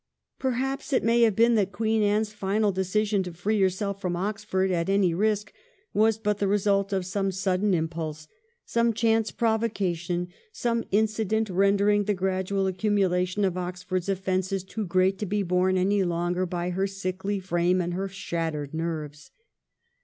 Perhaps it may have been that Queen Anne's final decision to free herself from Oxford at any risk was but the result of some sudden impulse, some chance provocation, some incident rendering the gradual accumulation of Oxford's ofiences too great to be borne any longer by her sickly frame and her shattered nerves.